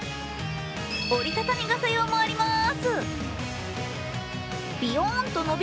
折り畳み傘用もあります。